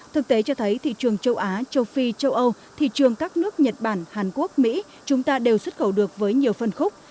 thực tế cho thấy thị trường châu á châu phi châu âu thị trường các nước nhật bản hàn quốc mỹ chúng ta đều xuất khẩu được với nhiều phân khúc